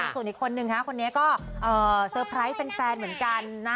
ส่วนอีกคนนึงคนนี้ก็เซอร์ไพรส์แฟนเหมือนกันนะ